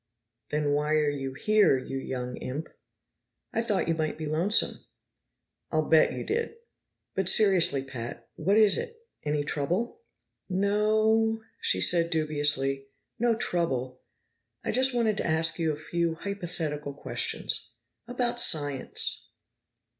"Then why are you here, you young imp?" "Thought you might be lonesome." "I'll bet you did! But seriously, Pat, what is it? Any trouble?" "No o," she said dubiously. "No trouble. I just wanted to ask you a few hypothetical questions. About science."